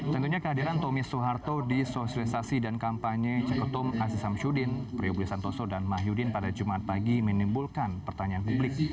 tentunya kehadiran tommy soeharto di sosialisasi dan kampanye ceketum aziz samsudin priobuli santoso dan mahyudin pada jumat pagi menimbulkan pertanyaan publik